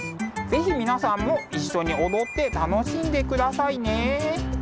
是非皆さんも一緒に踊って楽しんでくださいね！